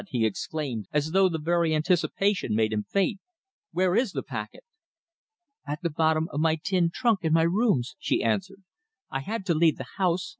he exclaimed, as though the very anticipation made him faint. "Where is the packet?" "At the bottom of my tin trunk in my rooms," she answered. "I had to leave the house.